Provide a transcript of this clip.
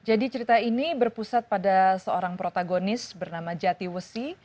jadi cerita ini berpusat pada seorang protagonis bernama jati wesi